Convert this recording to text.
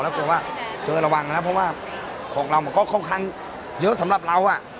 แล้วก็ว่าเดี๋ยวระวังนะเพราะว่าของเราก็ค่อนข้างเยอะสำหรับเราอ่ะ